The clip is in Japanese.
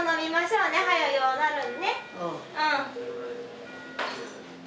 うん。